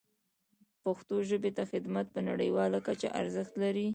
پښتو ژبې ته خدمت په نړیواله کچه ارزښت لري.